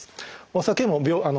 お酒も。